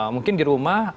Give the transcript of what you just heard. mungkin di rumah